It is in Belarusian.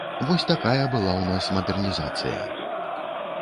Вось такая была ў нас мадэрнізацыя.